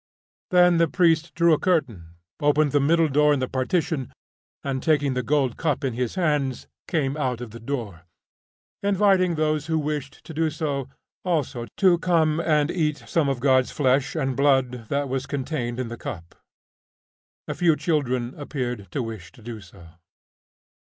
Then the priest drew a curtain, opened the middle door in the partition, and, taking the gold cup in his hands, came out of the door, inviting those who wished to do so also to come and eat some of God's flesh and blood that was contained in the cup. A few children appeared to wish to do so.